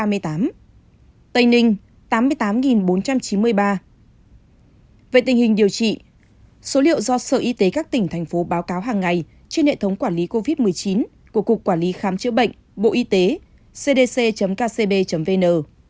về tình hình điều trị số liệu do sở y tế các tỉnh thành phố báo cáo hàng ngày trên hệ thống quản lý covid một mươi chín của cục quản lý khám chữa bệnh bộ y tế cdc kcb vn